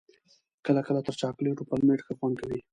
کله کله تر چاکلېټو پلمېټ ښه خوند کوي.